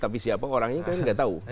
tapi siapa orangnya kan nggak tahu